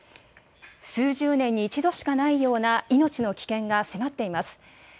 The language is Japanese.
数十年に一度しかないような命の危険が迫っています。